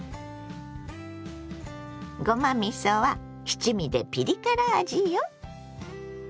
ごまみそは七味でピリ辛味よ。